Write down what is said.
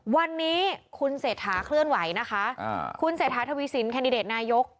วันนี้คุณเศรษฐาเคลื่อนไหวนะคะคุณเศรษฐาทวีสินแคนดิเดตนายก